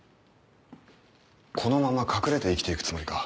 このまま隠れて生きていくつもりか？